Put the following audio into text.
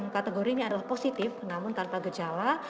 kategorinya adalah positif namun tanpa gejala